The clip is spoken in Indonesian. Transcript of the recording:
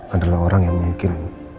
adalah orang yang mungkin